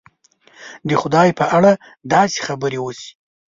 د خدای په اړه داسې خبرې وشي.